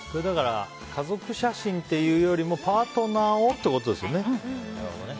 家族写真というよりもパートナーをということですよね。